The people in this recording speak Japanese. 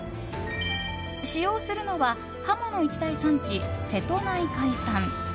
使用するのはハモの一大産地・瀬戸内海産。